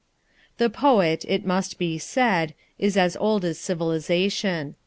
The poet, it must be said, is as old as civilization.